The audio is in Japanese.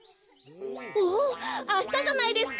おおあしたじゃないですか！